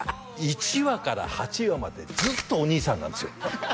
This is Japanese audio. １話から８話までずっとお兄さんなんですよ